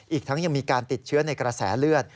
อีกทั้งยังมีการติดเชื้อในกระแสเลือด